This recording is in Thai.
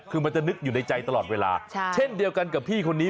คือมันจะนึกอยู่ในใจตลอดเวลาเช่นเดียวกันกับพี่คนนี้